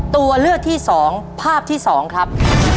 ตัวเลือกที่๒ภาพที่๒ครับ